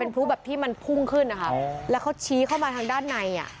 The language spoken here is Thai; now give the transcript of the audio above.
พลุแบบที่มันพุ่งขึ้นนะคะแล้วเขาชี้เข้ามาทางด้านในอ่ะ